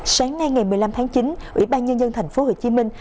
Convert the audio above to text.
sáng nay ngày một mươi năm tháng chín ủy ban nhân dân thành phố hồ chí minh